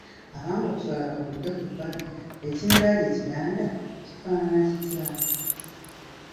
Abange okuswala kakudde ku bbali ekinzaali ekiganda kifaanana kitya?